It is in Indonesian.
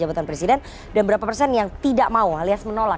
jabatan presiden dan berapa persen yang tidak mau alias menolak